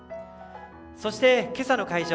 そして今朝の会場